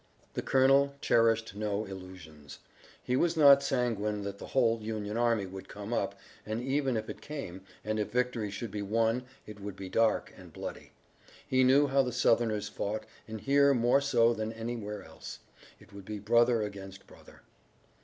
The colonel cherished no illusions. He was not sanguine that the whole Union army would come up, and even if it came, and if victory should be won it would be dark and bloody. He knew how the Southerners fought, and here more so than anywhere else, it would be brother against brother.